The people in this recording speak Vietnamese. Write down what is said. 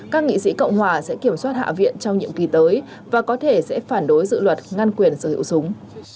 các nghị sĩ cộng hòa sẽ kiểm soát hạ viện trong nhiệm kỳ tới và có thể sẽ phản đối dự luật ngăn quyền sở hữu súng